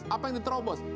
apa yang diterobos